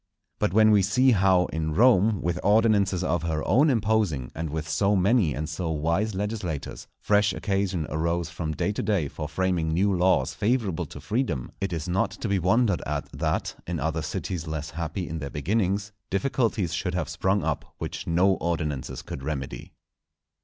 But when we see how in Rome, with ordinances of her own imposing, and with so many and so wise legislators, fresh occasion arose from day to day for framing new laws favourable to freedom, it is not to be wondered at that, in other cities less happy in their beginnings, difficulties should have sprung up which no ordinances could remedy.